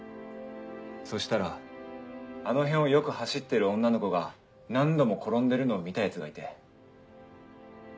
そしたらあの辺をよく走ってる女の子が何度も転んでるのを見たヤツがいて。